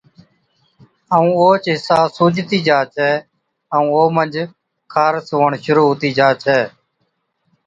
ائُون اوهچ حِصا سُوجتِي جا ڇَي ائُون او منجھ خارس هُوَڻ شرُوع هُتِي جا ڇَي۔